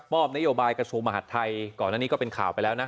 อบนโยบายกระทรวงมหาดไทยก่อนอันนี้ก็เป็นข่าวไปแล้วนะ